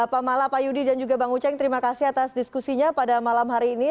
pak mala pak yudi dan juga bang uceng terima kasih atas diskusinya pada malam hari ini